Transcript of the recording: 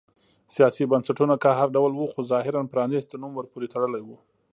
سیاسي بنسټونه که هر ډول و خو ظاهراً پرانیستی نوم ورپورې تړلی و.